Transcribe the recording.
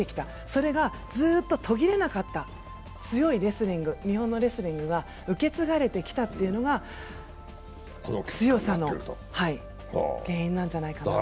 それがずっと途切れなかった強いレスリング、日本のレスリングが受け継がれてきたというのが強さの原因なんじゃないかと。